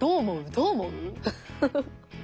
どう思う？